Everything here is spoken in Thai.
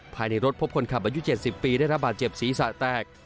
ภายในรถพบคนขับอายุ๗๐ปีได้รับบาดเจ็บศีรษะแตก